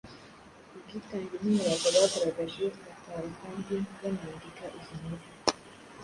ku bwitange n’umurava bagaragaje batara kandi banandika izi nkuru.